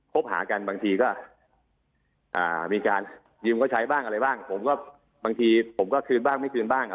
บหากันบางทีก็มีการยืมเขาใช้บ้างอะไรบ้างผมก็บางทีผมก็คืนบ้างไม่คืนบ้าง